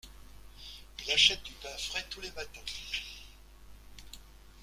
Il achète du pain frais tous les matins.